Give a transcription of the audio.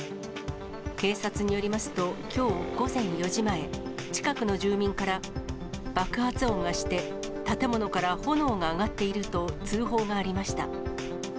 警察によりますと、きょう午前４時前、近くの住民から爆発音がして、建物から炎が上がっていると通報がありました。